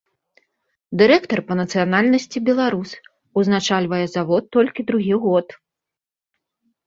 Дырэктар па нацыянальнасці беларус, узначальвае завод толькі другі год.